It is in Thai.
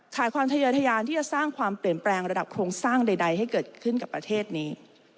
ขาดความทะเยอทยานที่จะสร้างความเปลี่ยนแปลงระดับโครงสร้างใดให้เกิดขึ้นกับประเทศนี้